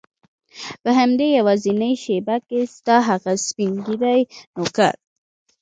په همدې یوازینۍ شېبه کې ستا هغه سپین ږیری نوکر.